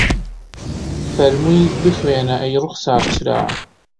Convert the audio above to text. فەرمووی بخوێنە ئەی ڕوخسار چرا